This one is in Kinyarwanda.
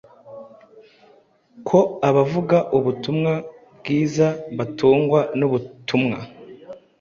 ko abavuga ubutumwa bwiza batungwa n’ubutumwa.”